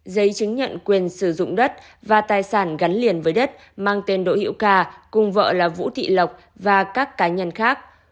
giấy chứng nhận quyền sử dụng đất và tài sản gắn liền với đất mang tên đỗ hiễu cà cùng vợ là vũ thị lộc và các cá nhân khác